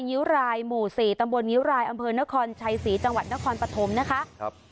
งิ้วรายหมู่๔ตำบลงิ้วรายอำเภอนครชัยศรีจังหวัดนครปฐมนะคะครับ